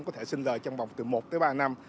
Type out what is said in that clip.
có thể sinh rời trong vòng từ một tới ba năm